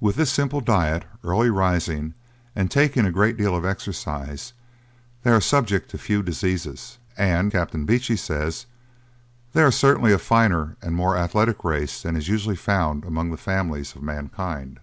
With this simple diet, early rising, and taking a great deal of exercise, they are subject to few diseases; and Captain Beechey says, 'they are certainly a finer and more athletic race than is usually found among the families of mankind.'